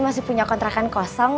ceritakan dibagian dasar